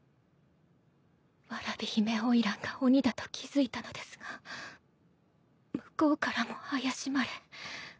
蕨姫花魁が鬼だと気付いたのですが向こうからも怪しまれ。